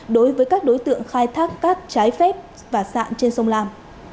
đối với các đối tượng khai thác cát trái phép và sạn trên sông lam